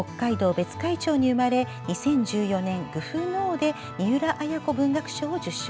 別海町に生まれ２０１４年「颶風の王」で三浦綾子文学賞を受賞。